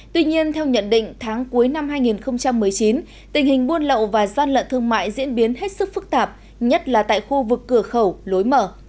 tuy nhiên theo nhận định tháng cuối năm hai nghìn một mươi chín tình hình buôn lậu và gian lận thương mại diễn biến hết sức phức tạp nhất là tại khu vực cửa khẩu lối mở